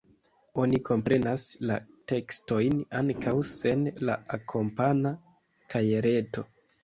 Oni komprenas la tekstojn ankaŭ sen la akompana kajereto.